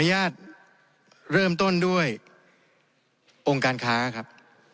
ญาตเริ่มต้นด้วยองค์การค้าครับ